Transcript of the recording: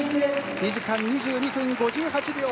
２時間２２分５８秒